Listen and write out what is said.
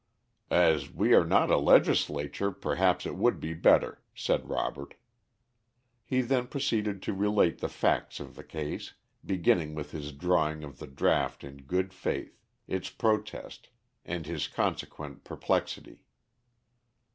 "As we are not a legislature perhaps it would be better," said Robert. He then proceeded to relate the facts of the case, beginning with his drawing of the draft in good faith, its protest, and his consequent perplexity.